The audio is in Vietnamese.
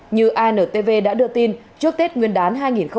như antv đã đưa tin trước tết nguyên đán hai nghìn hai mươi hai